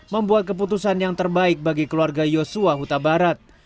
membuat keputusan yang terbaik bagi keluarga yosua huta barat